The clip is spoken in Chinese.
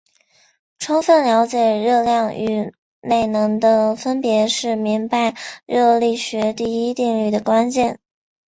充分了解热量与内能的分别是明白热力学第一定律的关键。